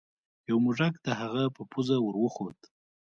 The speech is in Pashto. یو موږک د هغه په پوزه ور وخوت.